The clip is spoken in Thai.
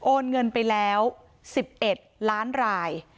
โอนเงินไปแล้ว๑๑ล้านราย